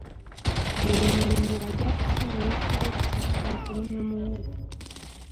Buli mulimi ajja kufuna yiika y'ettaka okulima muwogo.